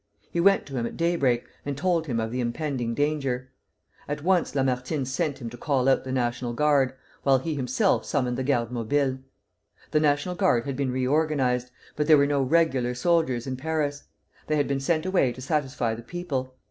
He went to him at daybreak and told him of the impending danger. At once Lamartine sent him to call out the National Guard, while he himself summoned the Garde Mobile. The National Guard had been reorganized; but there were no regular soldiers in Paris, they had been sent away to satisfy the people.